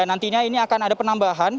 dan nantinya ini akan ada penambahan